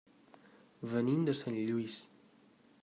Venim de Sant Lluís.